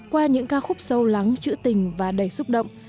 qua những ca khúc sâu lắng chữ tình và đầy xúc động